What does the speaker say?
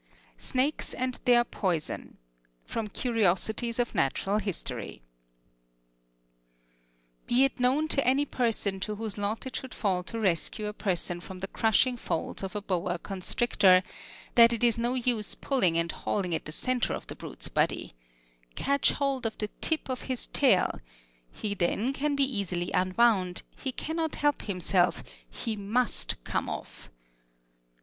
SNAKES AND THEIR POISON From 'Curiosities of Natural History' Be it known to any person to whose lot it should fall to rescue a person from the crushing folds of a boa constrictor, that it is no use pulling and hauling at the centre of the brute's body; catch hold of the tip of his tail, he can then be easily unwound, he cannot help himself; he "must" come off.